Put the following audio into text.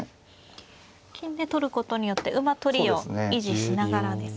金で取ることによって馬取りを維持しながらですね。